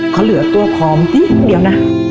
เขาเหลือตัวพร้อมสิ้นเดียวนะ